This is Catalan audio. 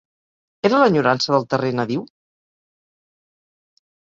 ¿Era l'enyorança del terrer nadiu?